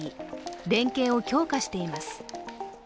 連携を強化しています。